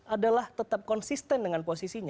adalah tetap konsisten dengan posisinya